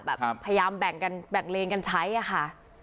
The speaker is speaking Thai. พยายามแบ่งเลยนกันใช้อ่ะค่ะ